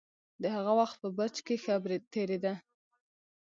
د هغه وخت په برج کې ښه تېرېده.